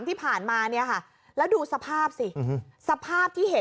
ที่ผ่านมาเนี่ยค่ะแล้วดูสภาพสิสภาพที่เห็น